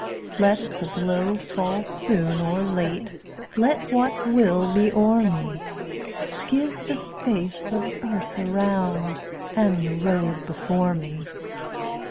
Let the blow fall soon or late, Let what will be o'er me; Give the face of earth around, And the road before me.